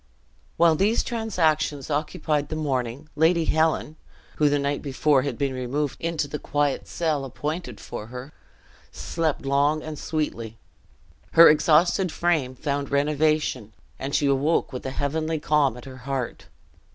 While these transactions occupied the morning, Lady Helen (who the night before had been removed into the quiet cell appointed for her) slept long and sweetly. Her exhausted frame found renovation; and she awoke with a heavenly calm at her heart.